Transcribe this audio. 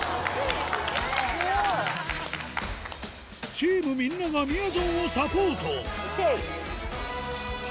チームみんながみやぞんをサポートＯＫ！